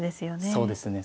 そうですね